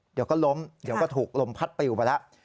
เดี๋ยวก็ล้มเดี๋ยวก็ถูกลมพัดปลิวไปแล้ว